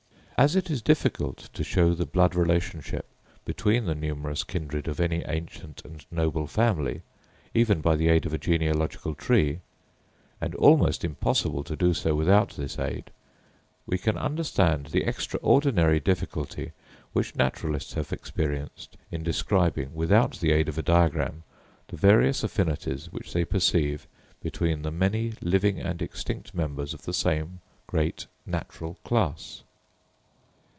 As it is difficult to show the blood relationship between the numerous kindred of any ancient and noble family, even by the aid of a genealogical tree, and almost impossible to do so without this aid, we can understand the extraordinary difficulty which naturalists have experienced in describing, without the aid of a diagram, the various affinities which they perceive between the many living and extinct members of the same great natural class.